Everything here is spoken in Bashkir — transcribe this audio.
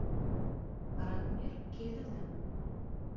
Радмир, килдең дәме?..